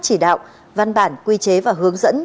chỉ đạo văn bản quy chế và hướng dẫn